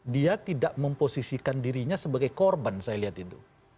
dia tidak memposisikan dirinya sebagai korban saya lihat itu